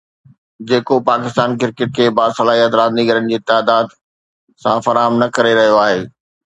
جيڪو پاڪستان ڪرڪيٽ کي باصلاحيت رانديگرن جي تعدد سان فراهم نه ڪري رهيو آهي.